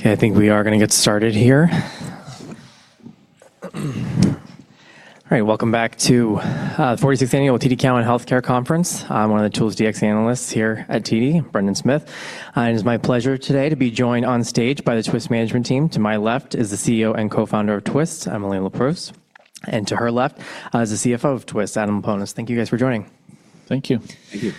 Okay, I think we are gonna get started here. All right. Welcome back to the 46th annual TD Cowen Healthcare Conference. I'm one of the tools DX analysts here at TD, Brendan Smith. It is my pleasure today to be joined on stage by the Twist management team. To my left is the CEO and co-founder of Twist, Emily Leproust, and to her left is the CFO of Twist, Adam Laponis. Thank you guys for joining. Thank you. Thank you.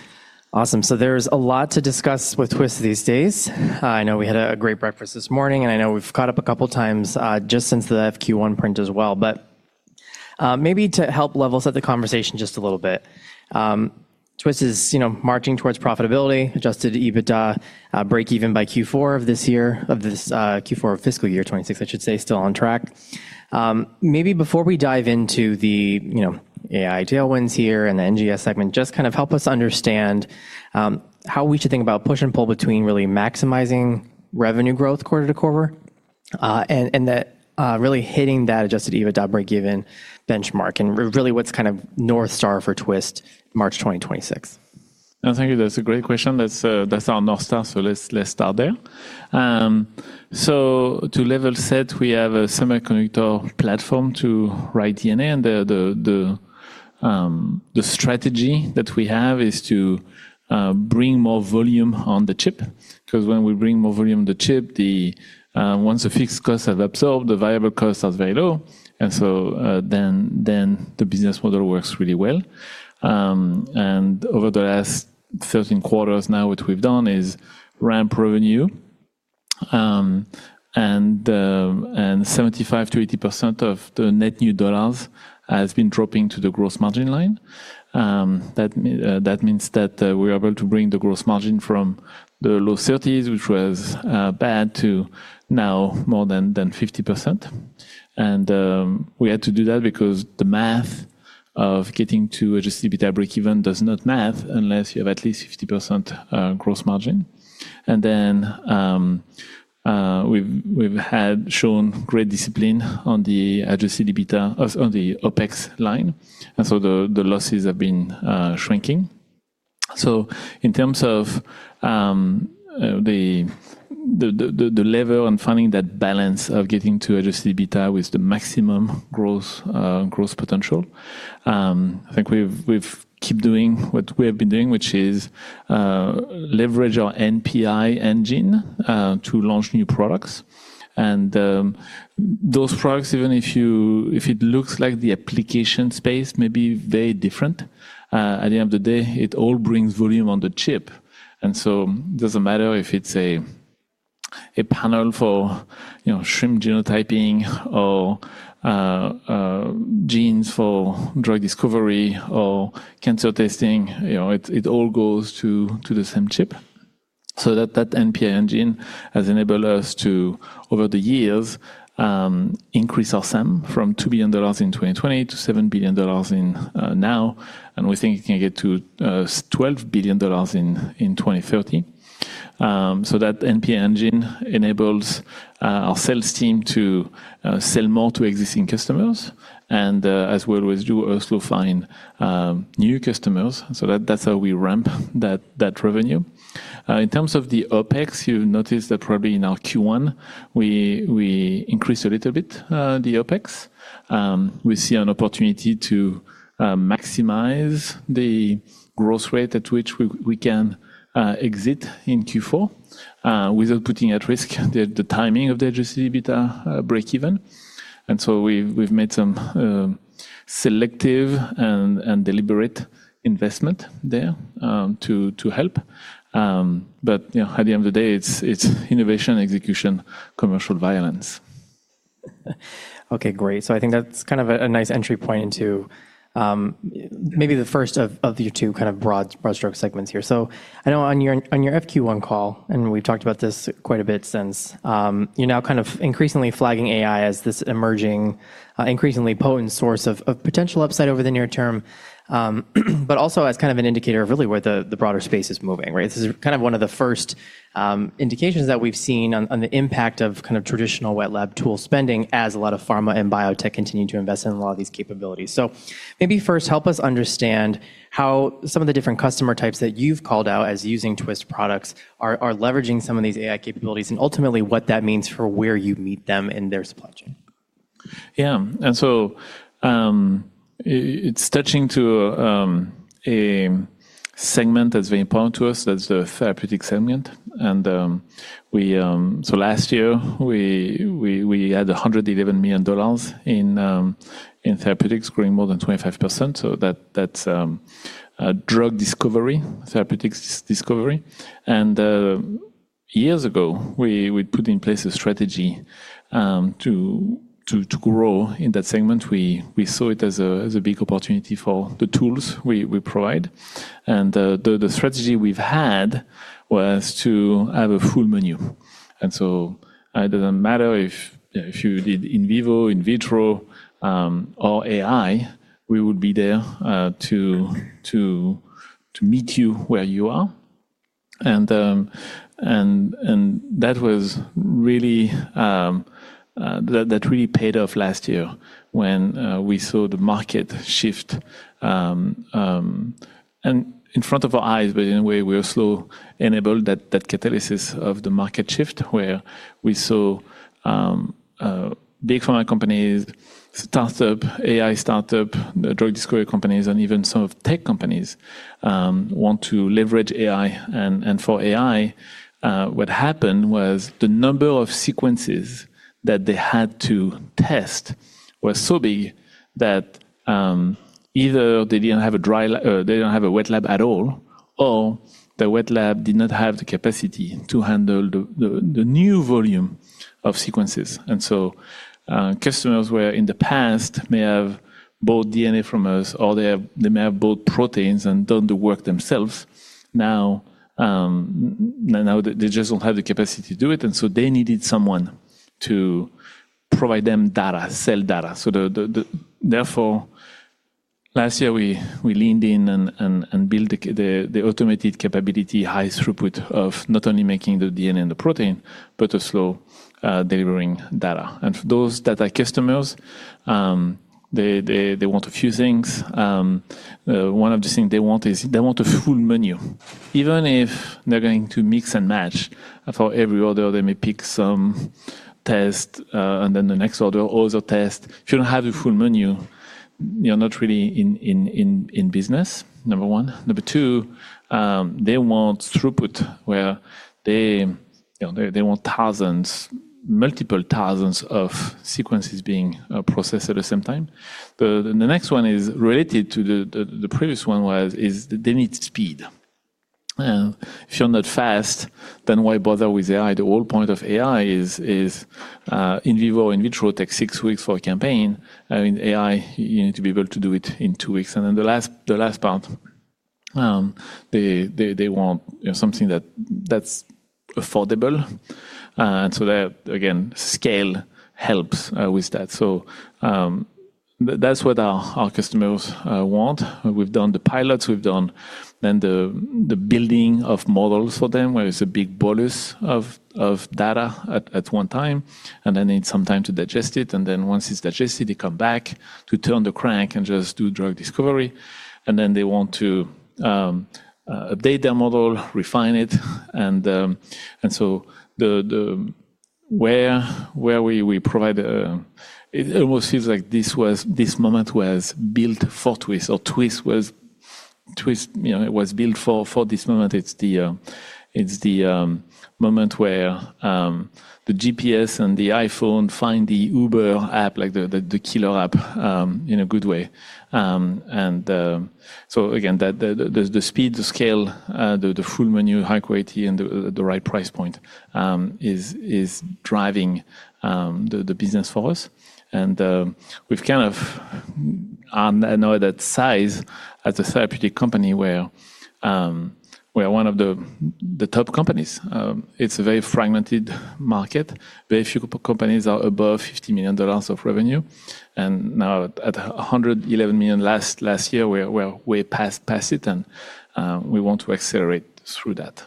Awesome. There's a lot to discuss with Twist these days. I know we had a great breakfast this morning, and I know we've caught up a couple times just since the FQ1 print as well. Maybe to help level set the conversation just a little bit, Twist is, you know, marching towards profitability, Adjusted EBITDA breakeven by Q4 of fiscal year 2026, I should say, still on track. Maybe before we dive into the, you know, AI tailwinds here and the NGS segment, just kind of help us understand how we should think about push and pull between really maximizing revenue growth quarter-to-quarter and that really hitting that Adjusted EBITDA breakeven benchmark and really what's kind of North Star for Twist March 2026. No, thank you. That's a great question. That's, that's our North Star. Let's, let's start there. To level set, we have a semiconductor platform to write DNA, the, the strategy that we have is to bring more volume on the chip. Because when we bring more volume on the chip, the, once the fixed costs have absorbed, the variable costs are very low. Then, then the business model works really well. Over the last 13 quarters now, what we've done is ramp revenue, the, 75%-80% of the net new dollars has been dropping to the gross margin line. That means that we are able to bring the gross margin from the low 30s, which was bad to now more than 50%. We had to do that because the math of getting to Adjusted EBITDA breakeven does not math unless you have at least 50% gross margin. We've had shown great discipline on the Adjusted EBITDA on the OpEx line. The losses have been shrinking. In terms of the level and finding that balance of getting to Adjusted EBITDA with the maximum growth potential, I think we've keep doing what we have been doing, which is leverage our NPI engine to launch new products. Those products, even if it looks like the application space may be very different, at the end of the day, it all brings volume on the chip. It doesn't matter if it's a panel for, you know, shrimp genotyping or genes for drug discovery or cancer testing. You know, it all goes to the same chip. That NPI engine has enabled us to, over the years, increase our SAM from $2 billion in 2020 to $7 billion now, and we think it can get to $12 billion in 2030. That NPI engine enables our sales team to sell more to existing customers and as we always do, also find new customers. That's how we ramp that revenue. In terms of the OpEx, you notice that probably in our Q1 we increased a little bit the OpEx. We see an opportunity to maximize the growth rate at which we can exit in Q4 without putting at risk the timing of the Adjusted EBITDA breakeven. We've made some selective and deliberate investment there to help. You know, at the end of the day, it's innovation, execution, commercial violence. Okay, great. I think that's kind of a nice entry point into maybe the first of your two kind of broad stroke segments here. I know on your FQ1 call, and we've talked about this quite a bit since, you're now kind of increasingly flagging AI as this emerging, increasingly potent source of potential upside over the near term. Also as kind of an indicator of really where the broader space is moving, right? This is kind of one of the first indications that we've seen on the impact of kind of traditional wet lab tool spending as a lot of pharma and biotech continue to invest in a lot of these capabilities. Maybe first help us understand how some of the different customer types that you've called out as using Twist products are leveraging some of these AI capabilities, and ultimately what that means for where you meet them in their supply chain. It's touching to a segment that's very important to us. That's the therapeutic segment. Last year we had $111 million in therapeutics growing more than 25%. That's drug discovery, therapeutics discovery. Years ago we put in place a strategy to grow in that segment. We saw it as a big opportunity for the tools we provide. The strategy we've had was to have a full menu. It doesn't matter if you did in vivo, in vitro, or AI, we would be there to meet you where you are. That was really that really paid off last year when we saw the market shift and in front of our eyes, but in a way we also enabled that catalysis of the market shift where we saw big pharma companies, startup, AI startup, drug discovery companies, and even some of tech companies want to leverage AI. For AI, what happened was the number of sequences that they had to test were so big that either they didn't have a dry lab or they don't have a wet lab at all, or the wet lab did not have the capacity to handle the new volume of sequences. Customers where in the past may have bought DNA from us, or they may have bought proteins and done the work themselves, now they just don't have the capacity to do it, and so they needed someone to provide them data, sell data. Therefore, last year we leaned in and built the automated capability, high throughput of not only making the DNA and the protein, but also delivering data. For those data customers, they want a few things. One of the things they want is they want a full menu. Even if they're going to mix and match, for every order, they may pick some test, and then the next order, other test. If you don't have a full menu, you're not really in business, number one. Number two, they want throughput where they, you know, they want thousands, multiple thousands of sequences being processed at the same time. The next one is related to the previous one, they need speed. If you're not fast, then why bother with AI? The whole point of AI is in vivo, in vitro takes six weeks for a campaign. In AI, you need to be able to do it in two weeks. Then the last part, they want, you know, something that's affordable. So there, again, scale helps with that. That's what our customers want. We've done the pilots, we've done then the building of models for them, where it's a big bolus of data at one time, and they need some time to digest it. Then once it's digested, they come back to turn the crank and just do drug discovery. Then they want to update their model, refine it, the where we provide. It almost seems like this moment was built for Twist or Twist was... Twist, it was built for this moment. It's the moment where the GPS and the iPhone find the Uber app, like the killer app, in a good way. Again, the speed, the scale, the full menu, high quality, and the right price point is driving the business for us. I know that size as a therapeutic company we're we are one of the top companies. It's a very fragmented market. Very few companies are above $50 million of revenue. Now at $111 million last year, we are way past it and we want to accelerate through that.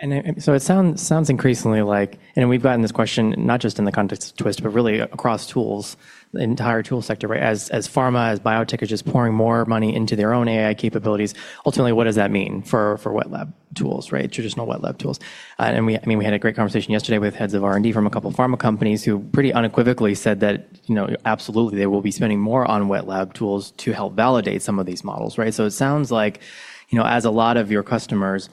It sounds increasingly like, and we've gotten this question not just in the context of Twist, but really across tools, the entire tool sector, right? As pharma, as biotech is just pouring more money into their own AI capabilities, ultimately, what does that mean for wet lab tools, right? Traditional wet lab tools. We, I mean, we had a great conversation yesterday with heads of R&D from a couple pharma companies who pretty unequivocally said that, you know, absolutely, they will be spending more on wet lab tools to help validate some of these models, right? It sounds like, you know, as a lot of your customers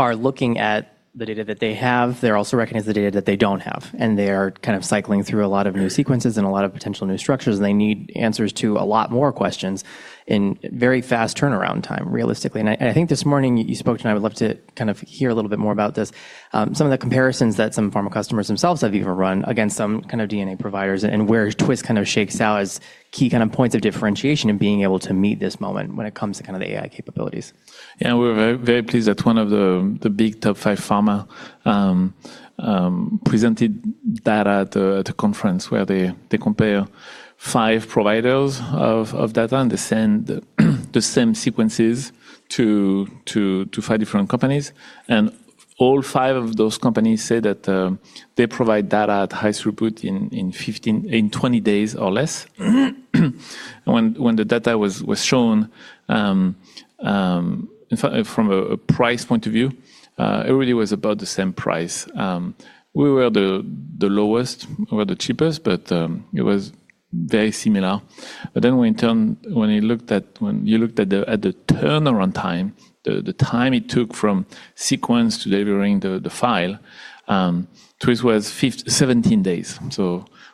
are looking at the data that they have, they're also recognizing the data that they don't have, and they are kind of cycling through a lot of new sequences and a lot of potential new structures, and they need answers to a lot more questions in very fast turnaround time, realistically. I think this morning you spoke, and I would love to kind of hear a little bit more about this. Some of the comparisons that some pharma customers themselves have even run against some kind of DNA providers and where Twist kind of shakes out as key kind of points of differentiation in being able to meet this moment when it comes to kind of the AI capabilities. Yeah. We're very, very pleased that one of the big top five pharma presented data at a conference where they compare five providers of data, and they send the same sequences to five different companies. All five of those companies say that they provide data at high throughput in 20 days or less. When the data was shown, from a price point of view, it really was about the same price. We were the lowest. We were the cheapest, but it was very similar. When you looked at the turnaround time, the time it took from sequence to delivering the file, Twist was 17 days.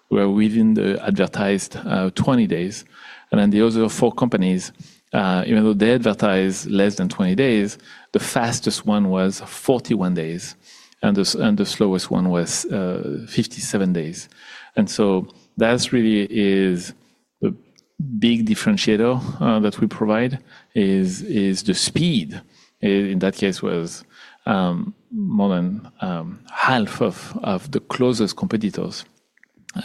We're within the advertised 20 days. The other four companies, even though they advertise less than 20 days, the fastest one was 41 days, and the slowest one was 57 days. That's really is the big differentiator that we provide is the speed in that case was more than half of the closest competitors.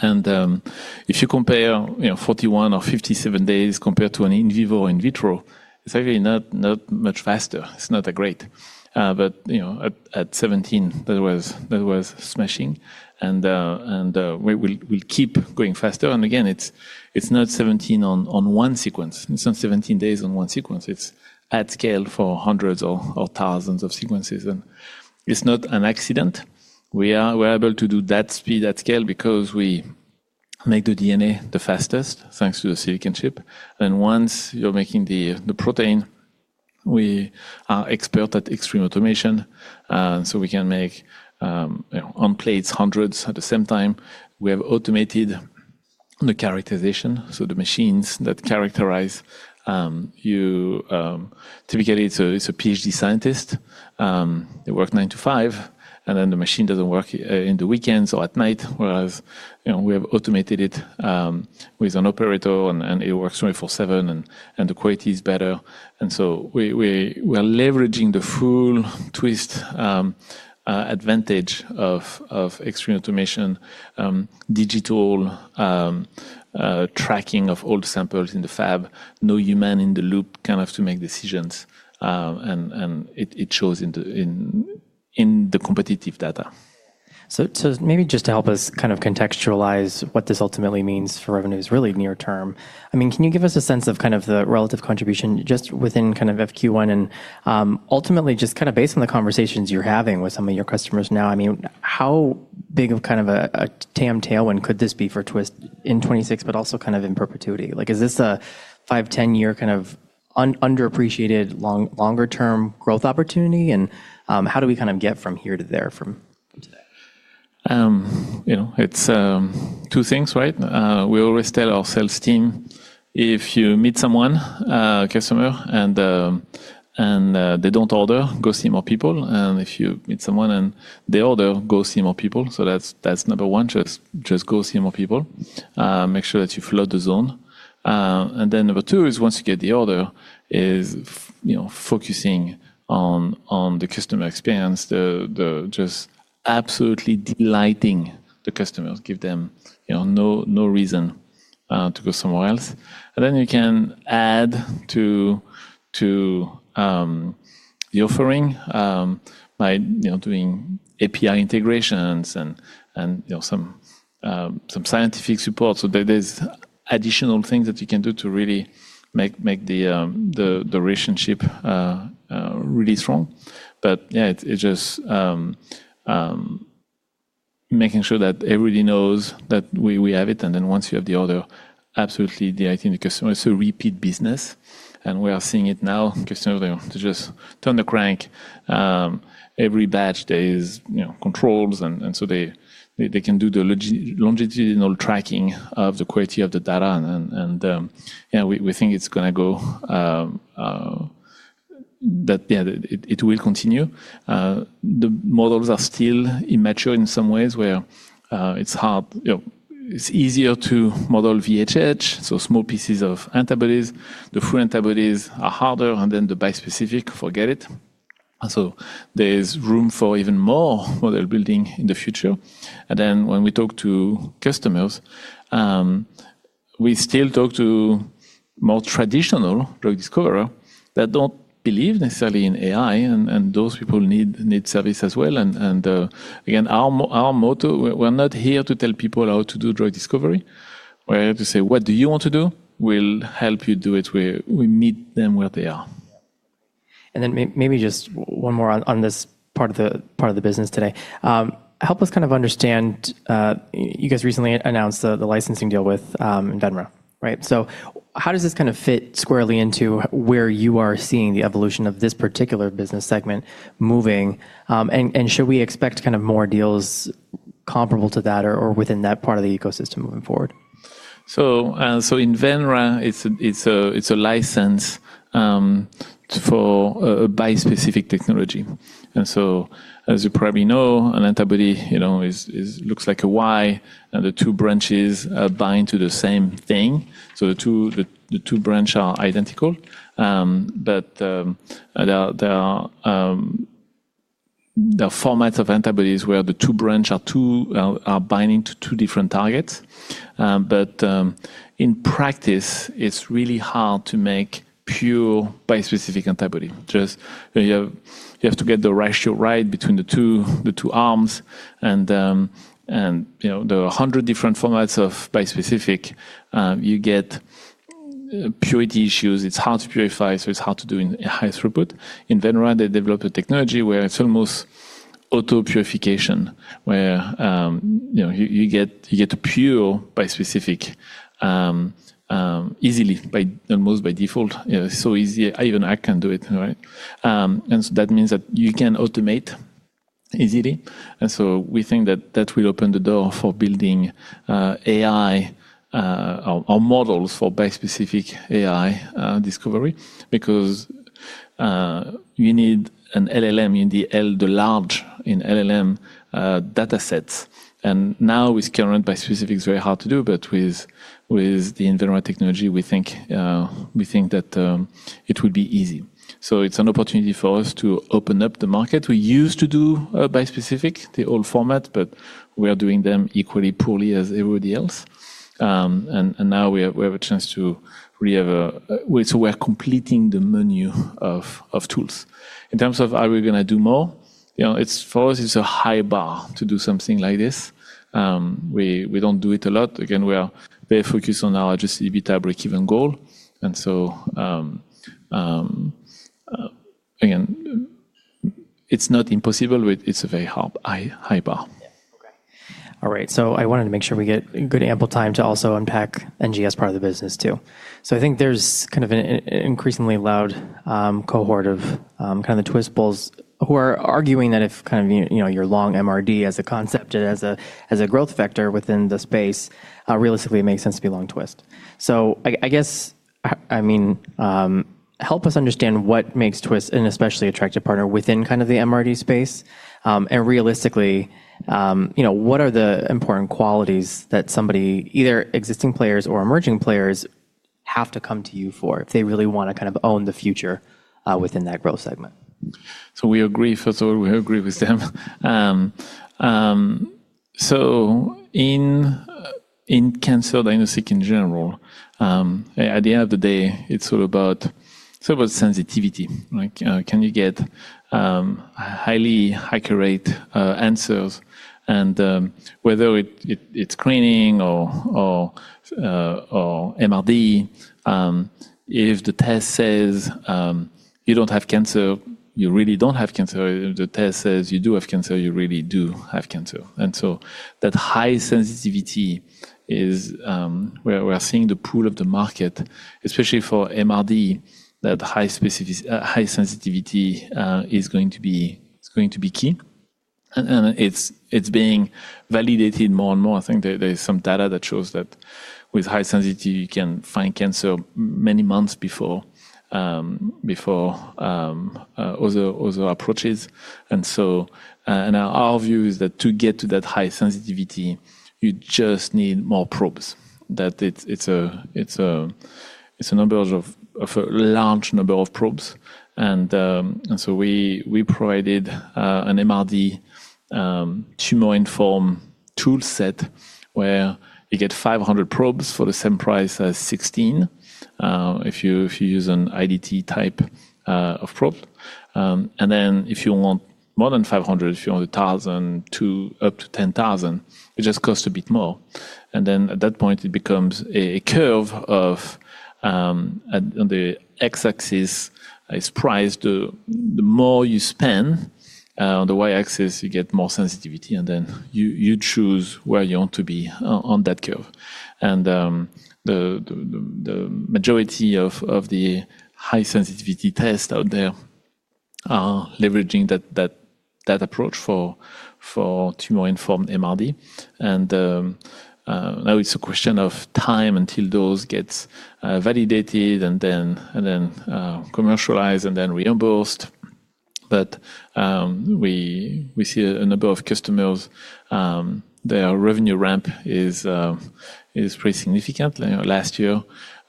If you compare, you know, 41 or 57 days compared to an in vivo or in vitro, it's actually not much faster. It's not that great. But, you know, at 17, that was smashing. We'll keep going faster. Again, it's not 17 on one sequence. It's not 17 days on one sequence. It's at scale for hundreds or thousands of sequences. It's not an accident. We're able to do that speed, that scale because we make the DNA the fastest, thanks to the silicon chip. Once you're making the protein, we are expert at extreme automation. We can make, you know, on plates hundreds at the same time. We have automated the characterization, so the machines that characterize. Typically, it's a PhD scientist, they work 9-5, and then the machine doesn't work in the weekends or at night, whereas, you know, we have automated it with an operator and it works 24/7 and the quality is better. We are leveraging the full Twist advantage of extreme automation, digital tracking of all the samples in the fab. No human in the loop kind of to make decisions. It shows in the competitive data. Maybe just to help us kind of contextualize what this ultimately means for revenues really near term. I mean, can you give us a sense of kind of the relative contribution just within kind of FQ1 and ultimately just kinda based on the conversations you're having with some of your customers now, I mean, how big of kind of a TAM tailwind could this be for Twist in 2026 but also kind of in perpetuity? Like, is this a five, 10-year kind of underappreciated longer term growth opportunity? How do we kind of get from here to there from today? You know, it's two things, right? We always tell our sales team, "If you meet someone, a customer, and they don't order, go see more people. And if you meet someone and they order, go see more people." That's number one. Just go see more people. Make sure that you flood the zone. And then number two is once you get the order is you know, focusing on the customer experience. Just absolutely delighting the customers. Give them, you know, no reason to go somewhere else. And then you can add to the offering by, you know, doing API integrations and, you know, some scientific support. There's additional things that you can do to really make the relationship really strong. Yeah, it just, making sure that everybody knows that we have it, and then once you have the order, absolutely delighting the customer. Repeat business, and we are seeing it now. Customers, they just turn the crank. Every batch there is, you know, controls and so they can do the llongitudinal tracking of the quality of the data and, yeah, we think it's gonna go. Yeah, it will continue. The models are still immature in some ways where it's hard, you know. It's easier to model VHH, so small pieces of antibodies. The full antibodies are harder, and then the bispecific, forget it. There's room for even more model building in the future. When we talk to customers, we still talk to more traditional drug discoverer that don't believe necessarily in AI, and those people need service as well. Again, our motto, we're not here to tell people how to do drug discovery. We have to say, "What do you want to do? We'll help you do it." We meet them where they are. Then maybe just one more on this part of the business today. Help us kind of understand, you guys recently announced the licensing deal with Invenra, right? How does this kind of fit squarely into where you are seeing the evolution of this particular business segment moving? And should we expect kind of more deals comparable to that or within that part of the ecosystem moving forward? Invenra, it's a license for bispecific technology. As you probably know, an antibody, you know, is-- looks like a Y, and the two branches bind to the same thing. The two branch are identical. There are formats of antibodies where the two branch are binding to two different targets. In practice, it's really hard to make pure bispecific antibody. Just you have to get the ratio right between the two, the two arms and, you know, there are 100 different formats of bispecific. You get purity issues. It's hard to purify, so it's hard to do in high throughput. Invenra, they developed a technology where it's almost auto-purification, where, you know, you get a pure bispecific easily by, almost by default. You know, so easy even I can do it, right? That means that you can automate easily. We think that that will open the door for building AI or models for bispecific AI discovery. You need an LLM, you need the L, the large in LLM datasets. Now with current bispecific, it's very hard to do, but with the Invenra technology, we think that it will be easy. It's an opportunity for us to open up the market. We used to do bispecific, the old format, we are doing them equally poorly as everybody else. And now we have a chance to really. We're completing the menu of tools. In terms of are we gonna do more, you know, for us, it's a high bar to do something like this. We don't do it a lot. Again, we are very focused on our Adjusted EBITDA breakeven goal. Again, it's not impossible, but it's a very hard, high bar. Yeah. Okay. All right. I wanted to make sure we get good ample time to also unpack NGS part of the business too. I think there's kind of an increasingly loud cohort of Twist bulls who are arguing that if you know, you're long MRD as a concept and as a growth vector within the space, realistically it makes sense to be long Twist. I guess, I mean, help us understand what makes Twist an especially attractive partner within kind of the MRD space. Realistically, you know, what are the important qualities that somebody, either existing players or emerging players have to come to you for if they really wanna kind of own the future within that growth segment? We agree. First of all, we agree with them. In cancer diagnostic in general, at the end of the day, it's all about sensitivity. Can you get highly accurate answers? Whether it's screening or MRD, if the test says you don't have cancer, you really don't have cancer. If the test says you do have cancer, you really do have cancer. That high sensitivity is where we are seeing the pool of the market, especially for MRD, that high sensitivity is going to be key. It's being validated more and more. I think there is some data that shows that with high sensitivity, you can find cancer many months before other approaches. Our view is that to get to that high sensitivity, you just need more probes. That it's a numbers of a large number of probes. We provided an MRD tumor-informed tool set where you get 500 probes for the same price as 16 if you use an IDT type of probe. If you want more than 500, if you want 1,000 to up to 10,000, it just costs a bit more. At that point it becomes a curve of... On the x-axis, it's price. The more you spend, on the y-axis, you get more sensitivity, and then you choose where you want to be on that curve. The majority of the high sensitivity tests out there are leveraging that approach for tumor-informed MRD. Now it's a question of time until those gets validated and then commercialized and then reimbursed. We see a number of customers, their revenue ramp is pretty significant. You know, last year,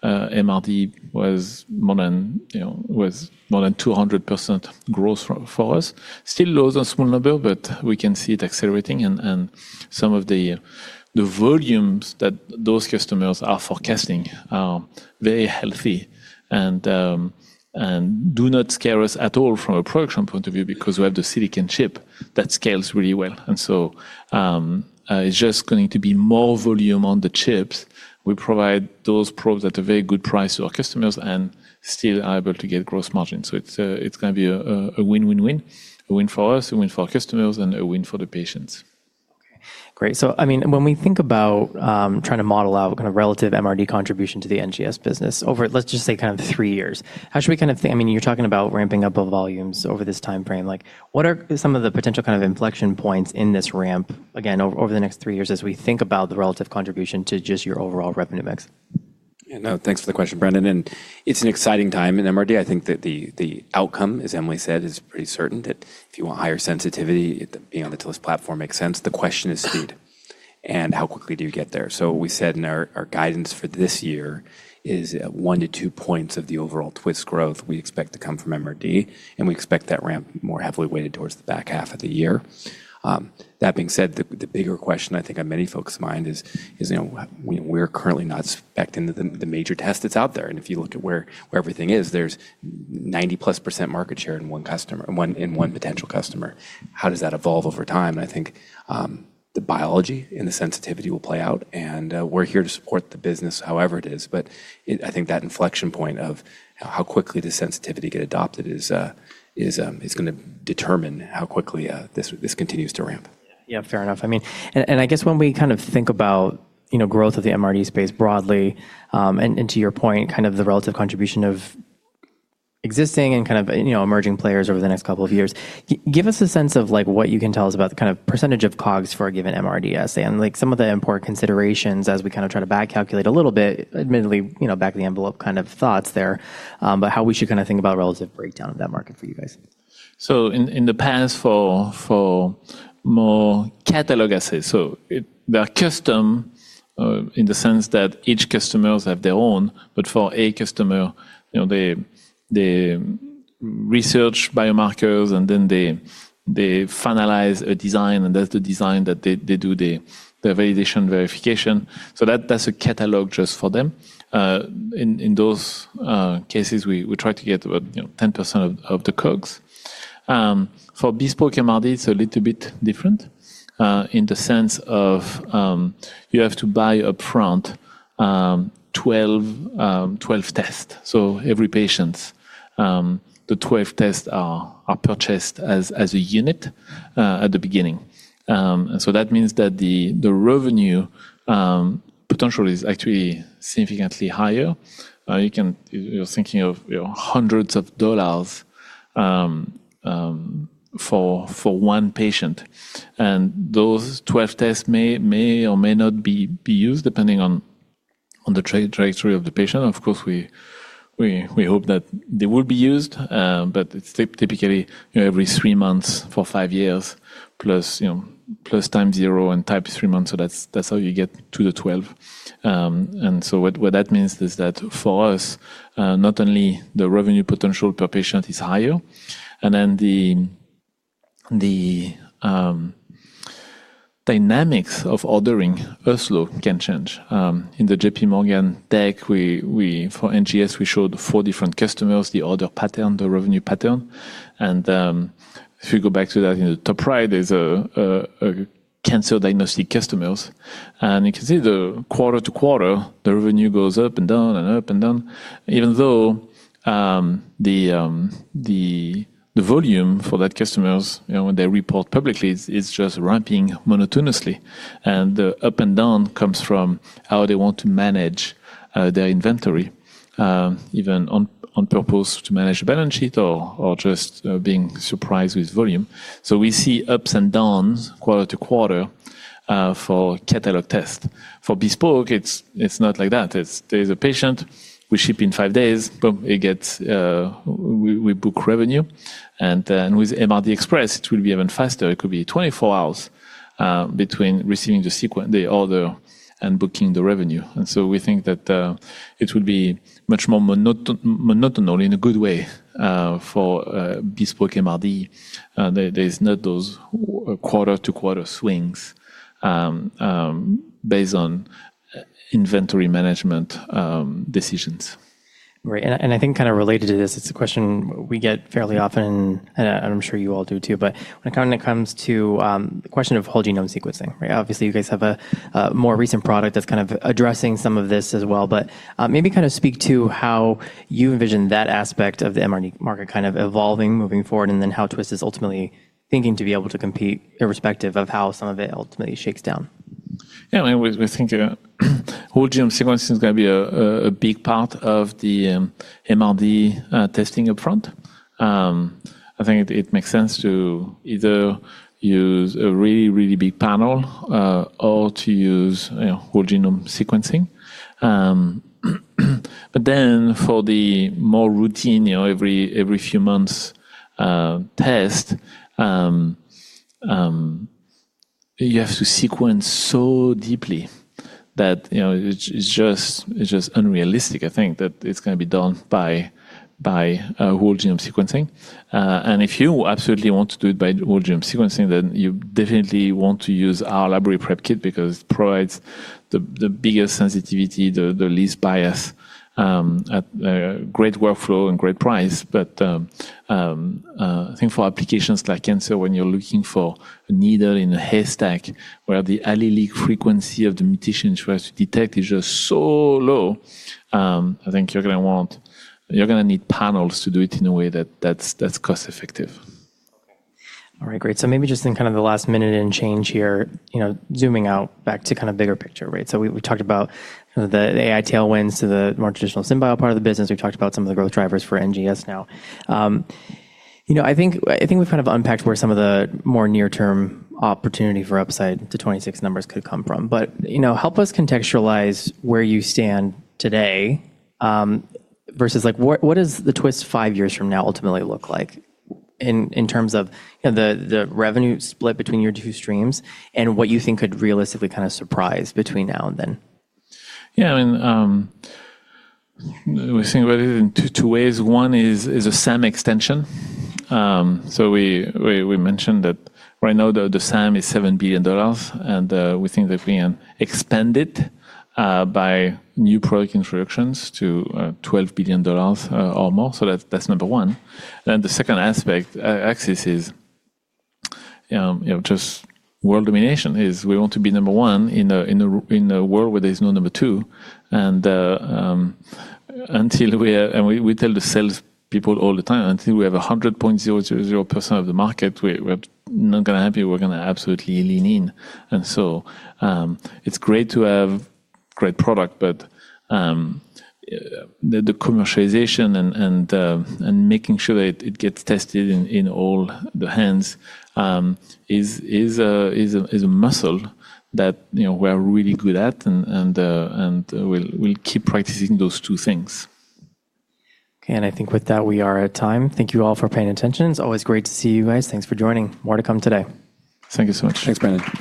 MRD was more than, you know, was more than 200% growth for us. Still low as a small number. We can see it accelerating and some of the volumes that those customers are forecasting are very healthy and do not scare us at all from a production point of view because we have the silicon chip that scales really well. It's just going to be more volume on the chips. We provide those probes at a very good price to our customers and still are able to get gross margin. It's gonna be a win-win-win. A win for us, a win for our customers, and a win for the patients. Okay. Great. I mean, when we think about trying to model out kind of relative MRD contribution to the NGS business over let's just say kind of three years, how should we kind of I mean, you're talking about ramping up of volumes over this timeframe, like, what are some of the potential kind of inflection points in this ramp, again, over the next thre years as we think about the relative contribution to just your overall revenue mix? Yeah, no, thanks for the question, Brendan. It's an exciting time in MRD. I think that the outcome, as Emily said, is pretty certain that if you want higher sensitivity, being on the Twist platform makes sense. The question is speed and how quickly do you get there. We said in our guidance for this year is one to two points of the overall Twist growth we expect to come from MRD. We expect that ramp more heavily weighted towards the back half of the year. That being said, the bigger question I think on many folks' mind is, you know, we're currently not factored into the major test that's out there. If you look at where everything is, there's 90%+ market share in one potential customer. How does that evolve over time? I think, the biology and the sensitivity will play out, and, we're here to support the business however it is. I think that inflection point of how quickly does sensitivity get adopted is gonna determine how quickly, this continues to ramp. Yeah. Fair enough. I mean. I guess when we kind of think about, you know, growth of the MRD space broadly, and to your point, kind of the relative contribution of existing and kind of, and, you know, emerging players over the next couple of years. Give us a sense of like what you can tell us about the kind of % of COGS for a given MRD assay, and like some of the important considerations as we kinda try to back calculate a little bit, admittedly, you know, back of the envelope kind of thoughts there, but how we should kinda think about relative breakdown of that market for you guys. In the past, for more catalog assays, they are custom, in the sense that each customers have their own, but for a customer, you know, they research biomarkers, and then they finalize a design, and that's the design that they do the validation/verification. That's a catalog just for them. In those cases, we try to get about, you know, 10% of the COGS. For bespoke MRD, it's a little bit different, in the sense of, you have to buy upfront, 12 tests. Every patient, the 12 tests are purchased as a unit at the beginning. That means that the revenue potential is actually significantly higher. You can... You're thinking of, you know, hundreds of dollars, for one patient. Those 12 tests may or may not be used depending on the trajectory of the patient. Of course, we hope that they will be used, but it's typically, you know, every three months for five years plus time 0 and times 3 months, that's how you get to the 12. What that means is that for us, not only the revenue potential per patient is higher and then the dynamics of ordering also can change. In the JPMorgan deck, we for NGS, we showed four different customers, the order pattern, the revenue pattern. If you go back to that in the top right, there's a cancer diagnostic customers. You can see the quarter-to-quarter, the revenue goes up and down and up and down, even though the volume for that customers, you know, when they report publicly is just ramping monotonously. The up and down comes from how they want to manage their inventory, even on purpose to manage the balance sheet or just being surprised with volume. We see ups and downs quarter-to-quarter for catalog test. For bespoke, it's not like that. It's there's a patient, we ship in days, boom, it gets we book revenue. With MRD Express, it will be even faster. It could be 24 hours between receiving the order and booking the revenue. We think that, it will be much more monotonally in a good way, for bespoke MRD. There's not those quarter to quarter swings, based on inventory management decisions. Right. I think kinda related to this, it's a question we get fairly often, and I'm sure you all do too, but when it kinda comes to the question of whole genome sequencing, right? Obviously, you guys have a more recent product that's kind of addressing some of this as well. Maybe kind of speak to how you envision that aspect of the MRD market kind of evolving moving forward, and then how Twist is ultimately thinking to be able to compete irrespective of how some of it ultimately shakes down. I mean, we think whole genome sequencing is gonna be a big part of the MRD testing upfront. I think it makes sense to either use a really, really big panel or to use, you know, whole genome sequencing. For the more routine, you know, every few months test, you have to sequence so deeply that, you know, it's just unrealistic, I think, that it's gonna be done by whole genome sequencing. If you absolutely want to do it by whole genome sequencing, you definitely want to use our Library Prep Kit because it provides the biggest sensitivity, the least bias, at a great workflow and great price. I think for applications like cancer, when you're looking for a needle in a haystack, where the allele frequency of the mutation you try to detect is just so low, I think you're gonna need panels to do it in a way that's cost-effective. Okay. All right. Great. Maybe just in kind of the last minute and change here, you know, zooming out back to kind of bigger picture, right? We, we talked about, you know, the AI tailwinds to the more traditional synbio part of the business. We've talked about some of the growth drivers for NGS now. You know, I think we've kind of unpacked where some of the more near term opportunity for upside to 2026 numbers could come from. You know, help us contextualize where you stand today, versus like what does the Twist five years from now ultimately look like in terms of, you know, the revenue split between your two streams and what you think could realistically kind of surprise between now and then? Yeah. I mean, we think about it in two ways. One is a SAM extension. We mentioned that right now the SAM is $7 billion, and we think that we can expand it by new product introductions to $12 billion or more. That's number one. The second aspect, axis is, you know, just world domination, is we want to be number one in a world where there's no number two. We tell the sales people all the time, until we have 100.000% of the market, we're not gonna happy. We're gonna absolutely lean in. It's great to have great product, but the commercialization and making sure that it gets tested in all the hands, is a muscle that, you know, we are really good at, and we'll keep practicing those two things. Okay. I think with that, we are at time. Thank you all for paying attention. It's always great to see you guys. Thanks for joining. More to come today. Thank you so much. Thanks, Brandon.